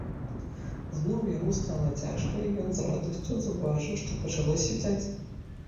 Зноў яму стала цяжка, і ён з радасцю заўважыў, што пачало світаць.